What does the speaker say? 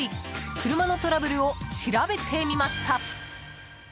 車のトラブルを調べてみました。